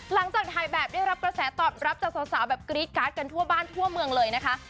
หลังจากถ่ายแบบได้รับกระแสตอบรับจากสาวแบบกรี๊ดการ์ดกันทั่วบ้านทั่วเมืองเลยนะคะ